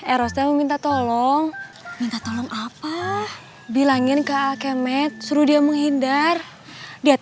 erosil meminta tolong minta tolong apa bilangin ke alkemed suruh dia menghindar dia